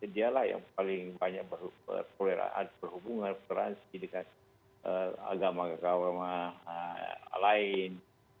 dia lah yang paling banyak berkorelasi berhubungan toleransi dengan agama agama lain